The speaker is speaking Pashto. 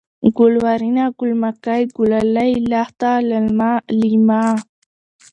گلورينه ، گل مکۍ ، گلالۍ ، لښته ، للمه ، لېمه